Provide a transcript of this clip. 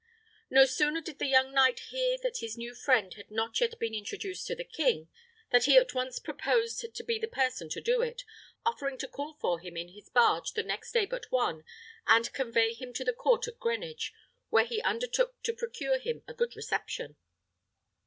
No sooner did the young earl hear that his new friend had not yet been introduced to the king, than he at once proposed to be the person to do it, offering to call for him in his barge the next day but one, and convey him to the court at Greenwich, where he undertook to procure him a good reception.